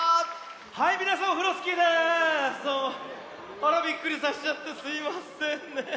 あらびっくりさせちゃってすいませんね。